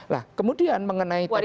nah kemudian mengenai tadi